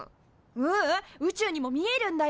ううん宇宙にも見えるんだよ。